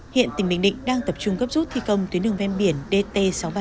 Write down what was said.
hiện tỉnh bình định đang tập trung gấp rút thi công tuyến đường ven biển dt sáu trăm ba mươi